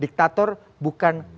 diktator bukan tentang tampang